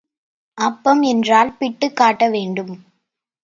அப்பம் என்றால் பிட்டுக் காட்ட வேண்டும்.